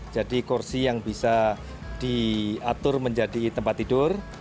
jadi kursi yang bisa diatur menjadi tempat tidur